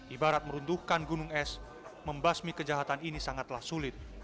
ibarat meruntuhkan gunung es membasmi kejahatan ini sangatlah sulit